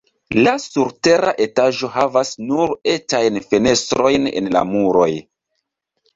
La surtera etaĝo havas nur etajn fenestrojn en la muroj.